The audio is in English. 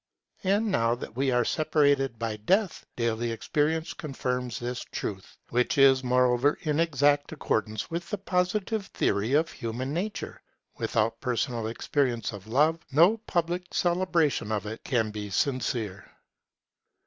And now that we are separated by Death, daily experience confirms this truth, which is moreover in exact accordance with the Positive theory of human nature. Without personal experience of Love no public celebration of it can be sincere.